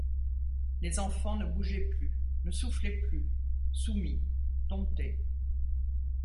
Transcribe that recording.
Les enfants ne bougeaient plus, ne soufflaient plus, soumis, domptés.